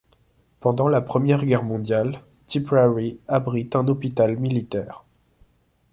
Pendant la Première Guerre mondiale, Tipperary abrite un hôpital militaire.